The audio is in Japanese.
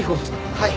はい。